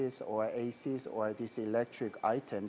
ada sesuatu yang istimewa tentang baterai